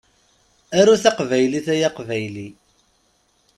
Aru taqbaylit, ay Aqbayli.